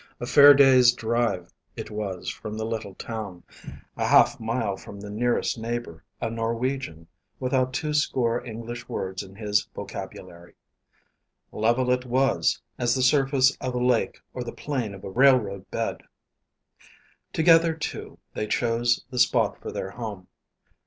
A fair day's drive it was from the little town; a half mile from the nearest neighbor, a Norwegian, without two score English words in his vocabulary. Level it was, as the surface of a lake or the plane of a railroad bed. Together, too, they chose the spot for their home.